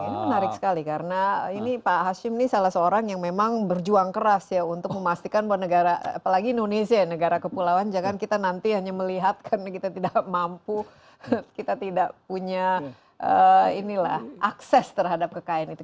ini menarik sekali karena ini pak hashim ini salah seorang yang memang berjuang keras ya untuk memastikan bahwa negara apalagi indonesia ya negara kepulauan jangan kita nanti hanya melihat karena kita tidak mampu kita tidak punya akses terhadap kekayaan itu